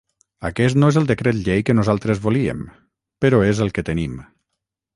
Aquest no és el decret llei que nosaltres volíem, però és el que tenim.